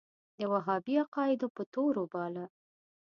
د وهابي عقایدو په تور وباله.